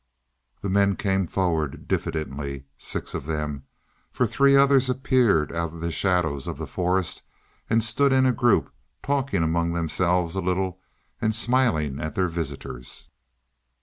The men came forward diffidently, six of them, for three others appeared out of the shadows of the forest, and stood in a group, talking among themselves a little and smiling at their visitors.